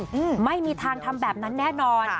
พระตัวจริงไม่มีทางทำแบบนั้นแน่นอน